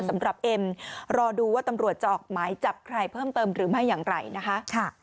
เอ็มรอดูว่าตำรวจจะออกหมายจับใครเพิ่มเติมหรือไม่อย่างไรนะคะ